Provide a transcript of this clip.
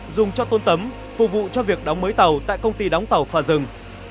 dùng cho tôn tấm phục vụ cho việc đóng mới tàu tại công ty đóng tàu pha rừng